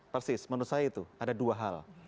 persis menurut saya itu ada dua hal